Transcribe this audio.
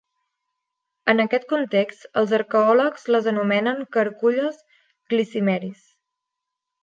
En aquest context, els arqueòlegs les anomenen "carculles glycymeris"